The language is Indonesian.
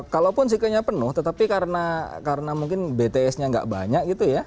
kalaupun sikenya penuh tetapi karena mungkin bts nya nggak banyak gitu ya